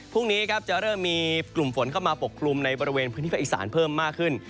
พรุ่งนี้ครับจะเริ่มมีกลุ่มฝนเข้ามาปกคลุมในบริเวณพื้นที่ภาคอีสานเพิ่มมากขึ้น